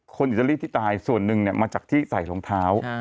อิตาลีที่ตายส่วนหนึ่งมาจากที่ใส่รองเท้า